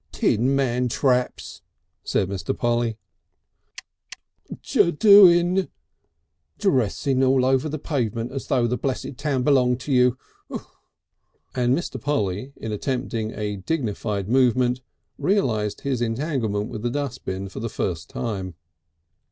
"Tin mantraps!" said Mr. Polly. "Jer (kik) doing?" "Dressing all over the pavement as though the blessed town belonged to you! Ugh!" And Mr. Polly in attempting a dignified movement realised his entanglement with the dustbin for the first time.